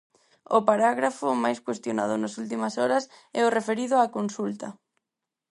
O parágrafo máis cuestionado nas últimas horas é o referido á consulta.